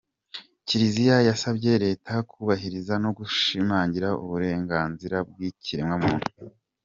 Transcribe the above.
Kiliziya yasabye Leta kubahiriza no gushimangira uburenganzira bw’ikiremwamuntu